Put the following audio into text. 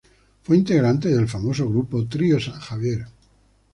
Fue integrante del famoso grupo "Trío San Javier".